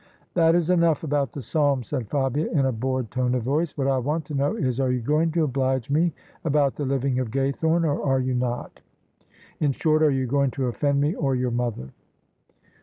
"That is enough about the Psalms," said Fabia, in a bored tone of voice. " What I want to know is, are you going to oblige me about the living of Ga3rthome, or are you not? In short, are you going to o£Eend me or your mother?"